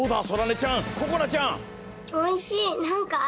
そらねちゃんここなちゃん。